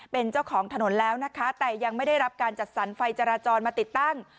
เป็นเจ้าของถนนแล้วนะคะแต่ยังไม่ได้รับการจัดสรรไฟจราจรมาติดตั้ง